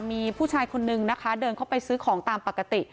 มีผู้ชายคนนึงนะคะเดินเข้าไปซื้อของตามปกติ